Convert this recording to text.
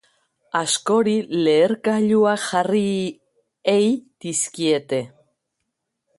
Askori lehergailuak jarri ei dizkiete.